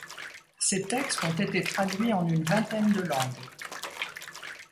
Ses textes ont été traduits en une vingtaine de langues.